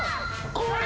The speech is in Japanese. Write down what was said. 怖い。